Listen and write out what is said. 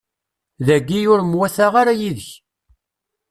Dagi ur mwataɣ ara yid-k.